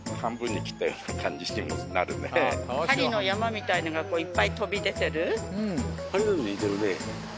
みたいのがいっぱい飛び出てる。